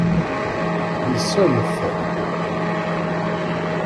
Lsemt.